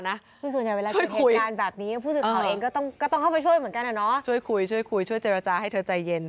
คือส่วนใหญ่เวลาเกิดเหตุการณ์แบบนี้ผู้สื่อข่าวเองก็ต้องเข้าไปช่วยเหมือนกันช่วยคุยช่วยคุยช่วยเจรจาให้เธอใจเย็น